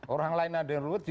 orang lain ada yang rutin